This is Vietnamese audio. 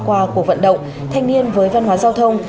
qua cuộc vận động thanh niên với văn hóa giao thông